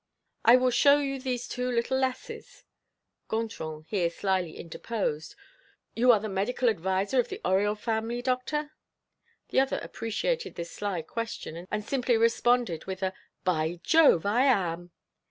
I will show you these two little lasses " Gontran here slyly interposed: "You are the medical adviser of the Oriol family, doctor?" The other appreciated this sly question, and simply responded with a "By Jove, I am!"